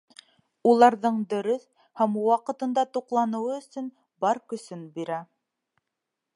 Уларҙың дөрөҫ һәм ваҡытында туҡланыуы өсөн бар көсөн бирә.